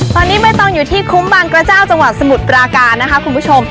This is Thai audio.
ตอนนี้ไม่ต้องอยู่ที่คุ้มบางกระเจ้าจังหวัดสมุทรปราการนะคะคุณผู้ชม